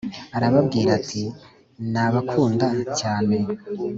arababwira ati:nabakunda cyane